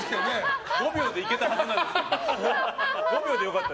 ５秒でいけたはずなんだけど。